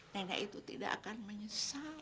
nenek itu tidak akan menyesal